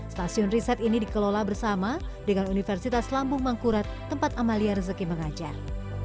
stasiun riset ini dikelola bersama dengan universitas lambung mangkurat tempat amalia rezeki mengajar